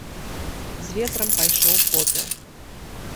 З ветрам пайшоў попел.